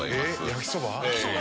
焼きそば？